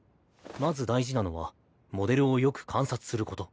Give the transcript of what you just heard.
まず大事なのはモデルをよく観察すること。